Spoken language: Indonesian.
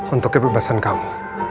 untuk kebebasan kamu